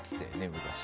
昔。